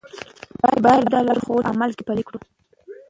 باید دا لارښوونې په عمل کې پلي کړو.